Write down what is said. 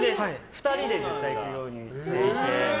２人で行くようにしていて。